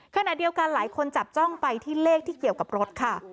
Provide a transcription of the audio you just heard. ขณะเดียวกันหลายคนจับจ้องไปที่เลขที่เกี่ยวกับรถค่ะ